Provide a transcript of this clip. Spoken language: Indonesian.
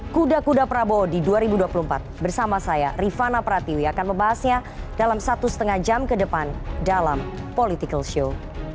kuda kuda prabowo di dua ribu dua puluh empat bersama saya rifana pratiwi akan membahasnya dalam satu setengah jam ke depan dalam political show